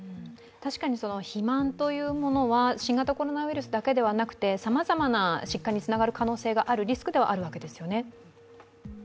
確かに肥満というものは新型コロナウイルスだけではなくてさまざまな疾患につながる可能性があるリスクではあるわけですよね。